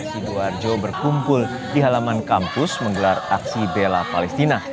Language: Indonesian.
sidoarjo berkumpul di halaman kampus menggelar aksi bela palestina